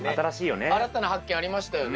新たな発見ありましたよね。